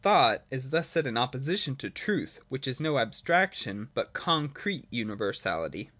Thought is thus set in opposition to Truth, which is no abstrac tion, but concrete universality.